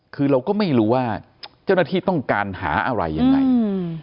คือเราก็ไม่รู้ว่าเจ้าหน้าที่ต้องการหาอะไรยังไงอืม